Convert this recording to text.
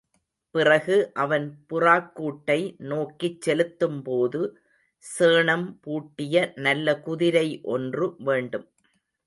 பிறகு அவன் புறாக்கூட்டை நோக்கிச் செல்லும்போது, சேணம் பூட்டிய நல்ல குதிரை ஒன்று வேண்டும்.